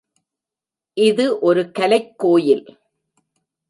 இது ஒரு கலைக் கோயில்.